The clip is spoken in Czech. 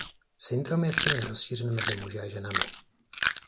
Syndrom je stejně rozšířen mezi muži a ženami.